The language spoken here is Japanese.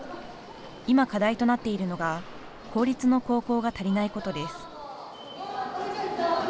今、課題となっているのが公立の高校が足りないことです。